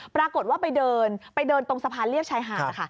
ปรากฏว่าไปเดินไปเดินตรงสะพานเรียบชายหาด